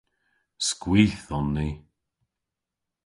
Skwith on ni.